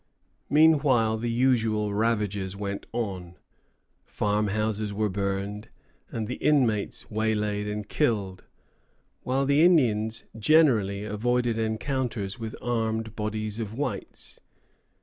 Meanwhile the usual ravages went on. Farmhouses were burned, and the inmates waylaid and killed, while the Indians generally avoided encounters with armed bodies of whites.